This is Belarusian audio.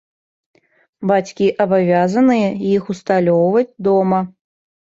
Бацькі абавязаныя іх усталёўваць дома.